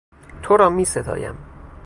تو را میستایم.